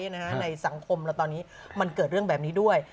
ในสังคมและตอนนี้มันเกิดเรื่องแบบนี้ด้วย